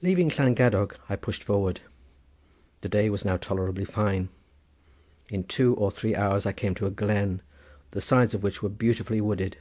Leaving Llangadog I pushed forward. The day was now tolerably fine. In two or three hours I came to a glen, the sides of which were beautifully wooded.